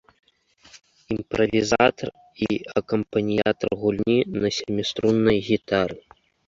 Імправізатар і акампаніятар гульні на сяміструннай гітары.